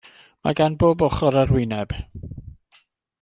Mae gan bob ochr arwyneb.